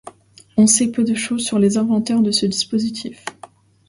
On sait peu de choses sur les inventeurs de ce dispositif.